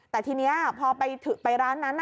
แต่ทีนี้พอไปร้านนั้น